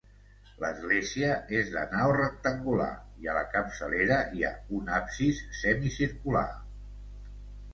L'església és de nau rectangular i a la capçalera hi ha un absis semicircular.